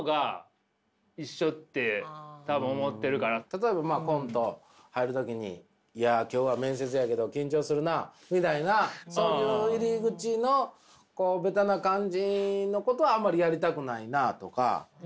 多分例えばコント入る時に「いや今日は面接やけど緊張するな」みたいなそういう入り口のベタな感じのことはあんまりやりたくないなとか。